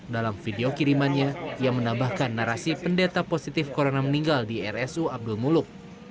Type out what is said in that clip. dalam video kirimannya ia menambahkan narasi pendeta positif corona meninggal di rsu abdul muluk